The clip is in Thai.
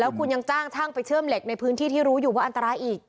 คุณยังจ้างช่างไปเชื่อมเหล็กในพื้นที่ที่รู้อยู่ว่าอันตรายอีก